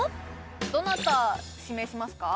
どなた指名しますか？